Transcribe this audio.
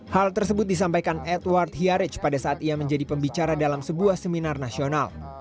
hal tersebut disampaikan edward hiaric pada saat ia menjadi pembicara dalam sebuah seminar nasional